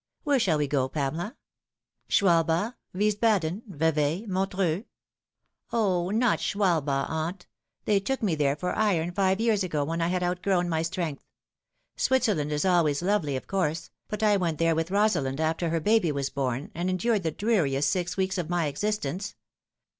Where shall we go, Pamela Schw^^bach, Wiesbaden, Vevay, Montreux ?"" O, not Schwalbach, aunt. They took me there for iron five years ago, when I had outgrown my strength. Switzerland is always lovely, of course ; but I went there with Rosalind after her baby was born, and endured the dreariest six weeks of my existence.